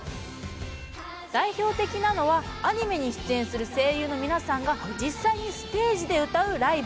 代表的なのはアニメに出演する声優の皆さんが実際にステージで歌うライブ。